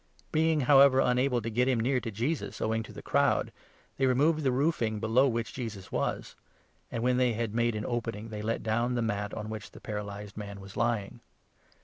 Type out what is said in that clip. Being, however, unable 4 to get him near to Jesus, owing to the crowd, they removed the roofing below which Jesus was ; and, when they had made an opening, they let down' the mat on which the paralyzed man was lying.